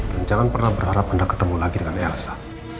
dan jangan pernah berharap anda ketemu lagi dengan elsa